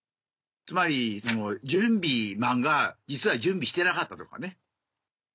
つまり「準備マン」が実は準備してなかったとかね。